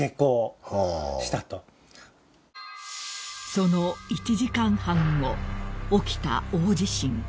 ［その１時間半後起きた大地震］